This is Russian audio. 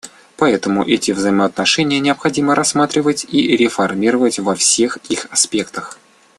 Поэтому эти взаимоотношения необходимо рассматривать и реформировать во всех их аспектах.